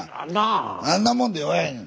あんなもんで酔えん。